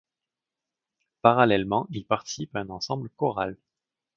Parallèlement, il participe à un ensemble choral.